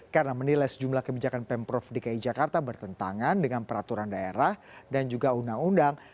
karena menilai sejumlah kebijakan pemprov dki jakarta bertentangan dengan peraturan daerah dan juga undang undang